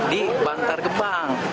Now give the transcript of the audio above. di bantar gebang